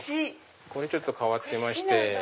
これちょっと変わってまして。